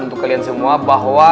untuk kalian semua bahwa